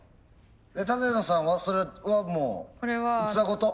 舘野さんはそれはもう器ごと？